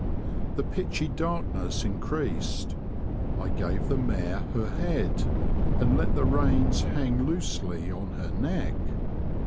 The pitchy darkness in creased, I gave the mare her head, and let the reins hang loosely on her neck.